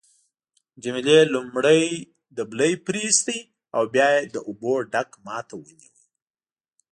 جميله لومړی دبلی پریویست او بیا یې له اوبو ډک ما ته ونیو.